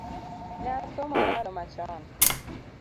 Ne asomo ndalo machon